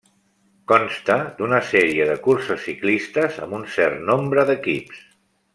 Consta d'una sèrie de curses ciclistes amb un cert nombre d'equips.